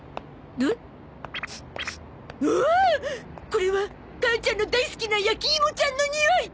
これは母ちゃんの大好きなやきいもちゃんのにおい！